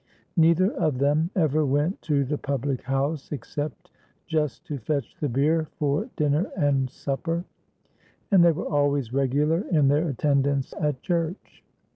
Neither of them ever went to the public house except just to fetch the beer for dinner and supper; and they were always regular in their attendance at church.